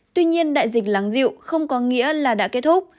tuy nhiên đại dịch láng diệu không có nghĩa là đã kết thúc